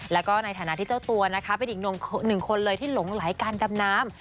แล้วก็ในฐานะที่เจ้าตัวนะคะเป็นอีกหนึ่งคนเลยที่หลงไหลการดำน้ำ